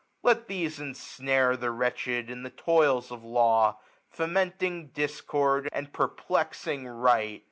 Let these Insnare the wretcl^ed in the toils of law, Fomenting discord, a|&d perplexing right.